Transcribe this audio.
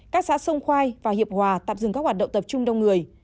các xã sông khoai và hiệp hòa tạm dừng các hoạt động tập trung đông người